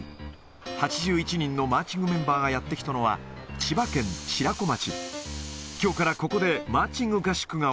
８１人のマーチングメンバーがやって来たのは、千葉県白子町。